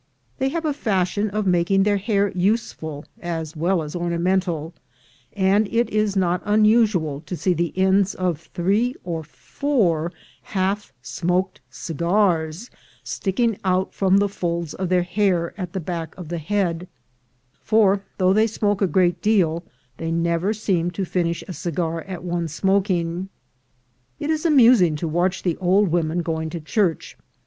They have a fashion of making their hair useful as well as ornamental, and it is not unusual to see the ends of three or four half smoked cigars sticking out from the folds of their hair at the back of the head; for though they smoke a great deal, they never seem to finish a cigar at one smoking. It is amusing to watch the old women going to church.